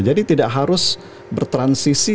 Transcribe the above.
jadi tidak harus bertransisi